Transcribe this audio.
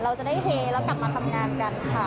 เราจะได้เฮแล้วกลับมาทำงานกันค่ะ